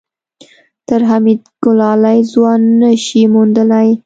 تر حميد ګلالی ځوان نه شې موندلی.